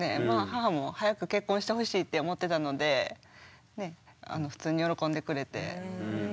母も早く結婚してほしいって思ってたので普通に喜んでくれて。